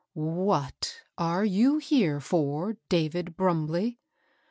What are you here for, David Brumbley?"